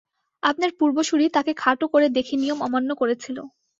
আপনার পূর্বসূরি তাকে খাটো করে দেখে নিয়ম অমান্য করেছিল।